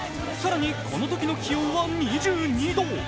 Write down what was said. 更に、このときの気温は２２度。